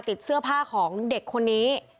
เสื้อผ้าของเด็กคนนี้